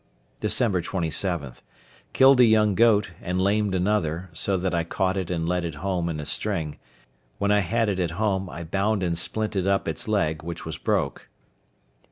Dec. 27.—Killed a young goat, and lamed another, so that I caught it and led it home in a string; when I had it at home, I bound and splintered up its leg, which was broke.